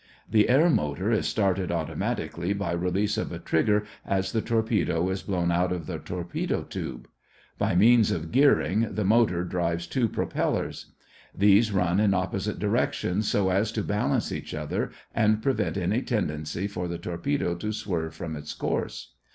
The air motor is started automatically by release of a trigger as the torpedo is blown out of the torpedo tube. By means of gearing, the motor drives two propellers. These run in opposite directions, so as to balance each other and prevent any tendency for the torpedo to swerve from its course.